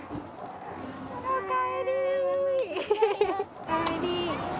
おかえりー。